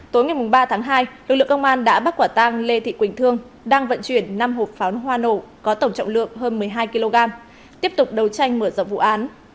tối ngày ba tháng hai lực lượng công an đã bắt quả tang lê thị quỳnh thương đang vận chuyển năm hộp pháo hoa nổ có tổng trọng lượng hơn một mươi hai kg tiếp tục đầu tranh mở rộng vụ án